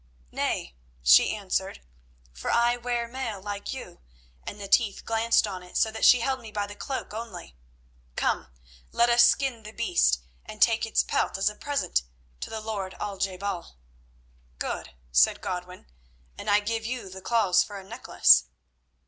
"Nay," she answered, "for I wear mail like you, and the teeth glanced on it so that she held me by the cloak only. Come, let us skin the beast, and take its pelt as a present to the lord Al je bal." "Good," said Godwin, "and I give you the claws for a necklace."